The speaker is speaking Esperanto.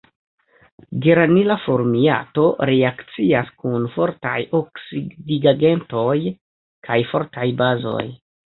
Geranila formiato reakcias kun fortaj oksidigagentoj kaj fortaj bazoj.